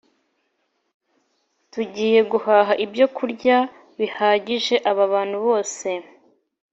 Tugiye guhaha ibyokurya bihagije aba bantu bose